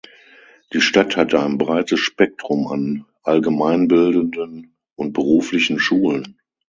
Die Stadt hat ein breites Spektrum an allgemeinbildenden und beruflichen Schulen.